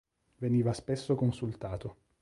Veniva spesso consultato.